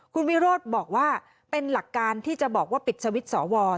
คุณวิโรธบอกว่าเป็นหลักการที่จะบอกว่าปิดสวิตช์สว